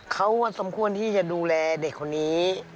เขาสมควรที่จะดูแลเด็กคนนี้